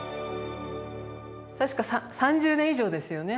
確か３０年以上ですよね